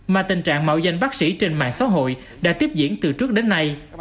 mà tình trạng mạo danh bác sĩ trên mạng xã hội đã tiếp diễn từ trước đến nay